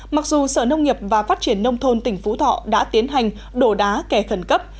mặc dù sở nông nghiệp và phát triển nông thôn tỉnh phú thọ đã tiến hành đổ đá kẻ khẩn cấp